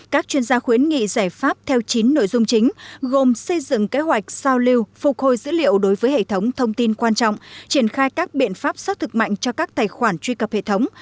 các chuyên gia khuyến nghị giải pháp theo chín nội dung chính gồm xây dựng kế hoạch giao lưu phục hồi dữ liệu đối với hệ thống thông tin quan trọng triển khai các biện pháp xác thực mạnh cho các tài khoản truy cập hệ thống